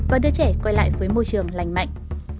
và đưa trẻ quay lại với môi trường lành mạnh